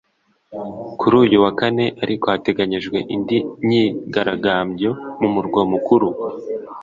kuri uyu wa kane ariko hateganyijwe indi myigaragambyo mu murwa mukuru